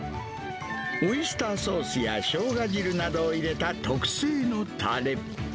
オイスターソースやショウガ汁などを入れた特製のたれ。